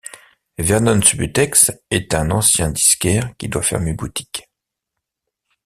Vernon Subutex est un ancien disquaire qui doit fermer boutique.